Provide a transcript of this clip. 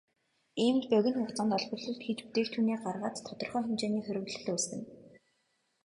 Иймд бид богино хугацаанд олборлолт хийж бүтээгдэхүүнээ гаргаад тодорхой хэмжээний хуримтлал үүсгэнэ.